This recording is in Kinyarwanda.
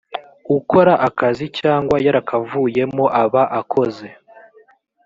ukora akazi cyangwa yarakavuyemo aba akoze